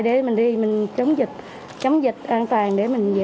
để mình đi chống dịch an toàn để mình về